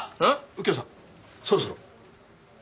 右京さんそろそろ。